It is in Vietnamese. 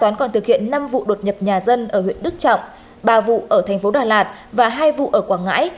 nhà dân ở huyện đức trọng ba vụ ở thành phố đà lạt và hai vụ ở quảng ngãi